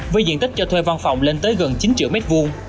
với diện tích cho thuê văn phòng lên tới gần chín triệu m hai